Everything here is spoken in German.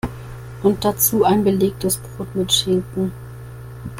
Und dazu ein belegtes Brot mit Schinken.